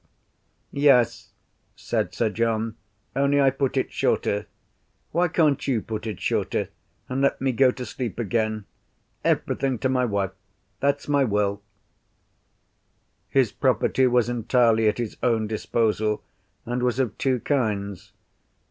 "Yes," said Sir John. "Only, I put it shorter. Why can't you put it shorter, and let me go to sleep again? Everything to my wife. That's my Will." His property was entirely at his own disposal, and was of two kinds.